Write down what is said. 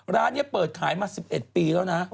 ร้านนี้เปิดขายมา๑๑ปีแล้วนะ